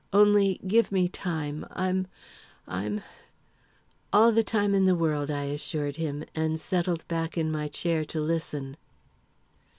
Only give me time. I'm I'm " "All the time in the world," I assured him, and settled back in my chair to listen.